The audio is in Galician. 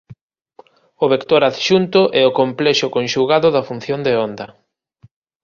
O vector adxunto é o complexo conxugado da función de onda.